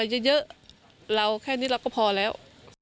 แล้วแค่นี้เราก็พอแล้ว